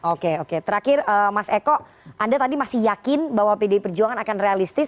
oke oke terakhir mas eko anda tadi masih yakin bahwa pdi perjuangan akan realistis